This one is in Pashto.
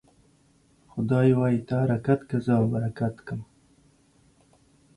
خداى وايي: ته حرکت که ، زه به برکت کم.